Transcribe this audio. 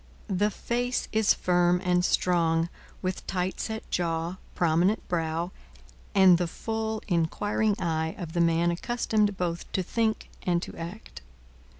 The face is firm and strong, with tight set jaw, prominent brow, and the full, inquiring eye of the man accustomed both to think and to act.